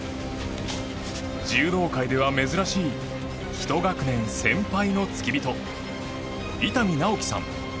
柔道界では珍しい１学年先輩の付き人伊丹直喜さん。